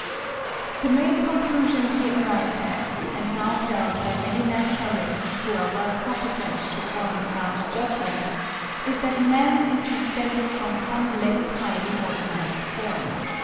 The main conclusion here arrived at, and now held by many naturalists who are well competent to form a sound judgment, is that man is descended from some less highly organised form.